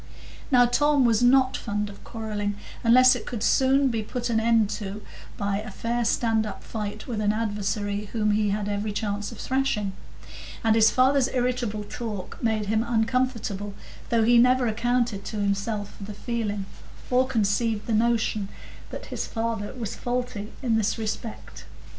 Now, Tom was not fond of quarrelling, unless it could soon be put an end to by a fair stand up fight with an adversary whom he had every chance of thrashing; and his father's irritable talk made him uncomfortable, though he never accounted to himself for the feeling, or conceived the notion that his father was faulty in this respect.